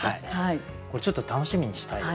これちょっと楽しみにしたいですね。